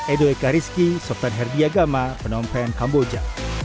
edo eka rizky sobtan herdi agama penompen kamboja